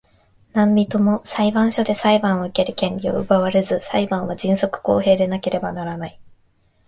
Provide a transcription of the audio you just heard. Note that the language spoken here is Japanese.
何人（なんびと）も裁判所で裁判を受ける権利を奪われず、裁判は迅速公平でなければならない。